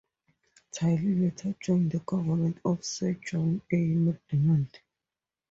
Tilley later joined the government of Sir John A. Macdonald.